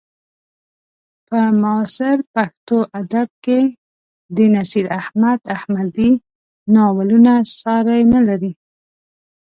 په معاصر پښتو ادب کې د نصیر احمد احمدي ناولونه ساری نه لري.